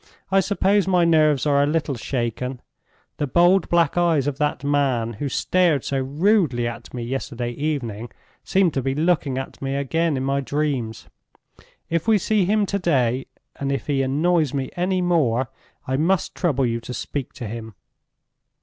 "I suppose my nerves are a little shaken. The bold black eyes of that man who stared so rudely at me yesterday evening seemed to be looking at me again in my dreams. If we see him to day, and if he annoys me any more, I must trouble you to speak to him.